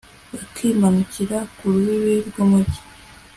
bakimanuka ku rubibi rw'umugi